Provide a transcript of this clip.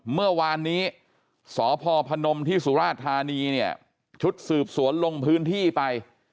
เมื่อวานนี้สพพนมที่สุราธานีเนี่ยชุดสืบสวนลงพื้นที่ไป